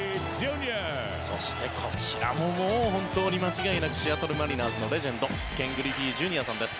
そして、こちらももう本当に間違いなくシアトル・マリナーズのレジェンドケン・グリフィーＪｒ．さんです。